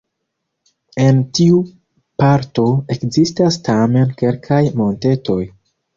En tiu parto ekzistas tamen kelkaj montetoj.